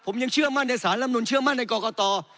ผมยังเชื่อมั่นในสารลำนูนเชื่อมั่นในกรกต